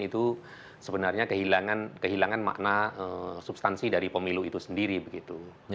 itu sebenarnya kehilangan makna substansi dari pemilu itu sendiri begitu